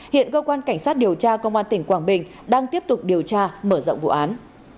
hiện cơ quan cảnh sát điều tra công an tp hcm đang tiếp tục điều tra mở rộng vụ án